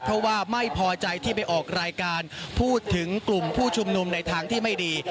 เพราะว่าไม่พอใจที่ไปออกรายการพูดถึงกลุ่มผู้ชุมนุมในทางที่ไม่ดี